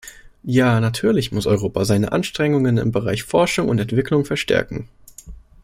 Ja, natürlich muss Europa seine Anstrengungen im Bereich Forschung und Entwicklung verstärken.